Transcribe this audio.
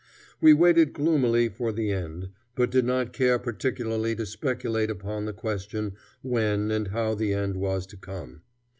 We waited gloomily for the end, but did not care particularly to speculate upon the question when and how the end was to come.